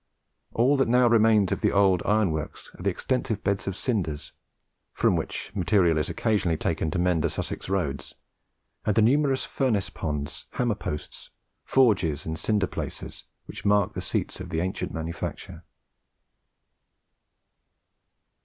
All that now remains of the old iron works are the extensive beds of cinders from which material is occasionally taken to mend the Sussex roads, and the numerous furnace ponds, hammer posts, forges, and cinder places, which mark the seats of the ancient manufacture.